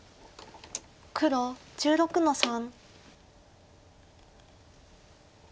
黒１６の三。